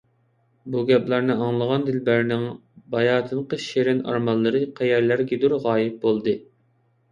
بۇ گەپلەرنى ئاڭلىغان دىلبەرنىڭ باياتىنقى شېرىن ئارمانلىرى قەيەرلەرگىدۇر غايىب بولدى.